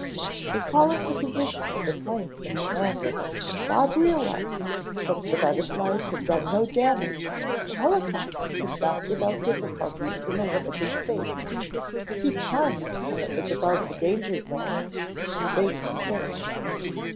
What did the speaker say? Recalling the position of the plane when they landed, Bob realized that if the butterflies had done no damage the helicopter could mount without difficulty in the limited space, keep climbing until it was above the danger zone and they would be safe.